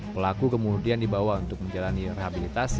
pelaku kemudian dibawa untuk menjalani rehabilitasi